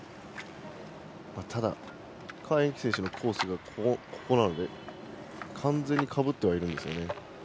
ただ何宛淇選手のコースがここなので完全にかぶっているんですね。